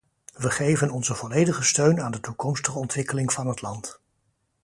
We geven onze volledige steun aan de toekomstige ontwikkeling van het land.